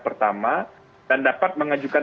pemilu yang terkasih adalah penggunaan kekuatan